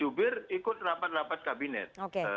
jubir ikut rapat rapat kabinet